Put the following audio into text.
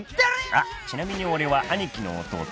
［あっちなみに俺はアニキの弟松！］